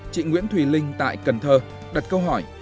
chị nguyễn thùy linh tại cần thơ đặt câu hỏi